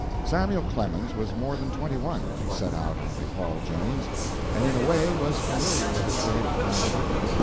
Samuel Clemens was more than twenty one when he set out on the "Paul Jones," and in a way was familiar with the trade of piloting.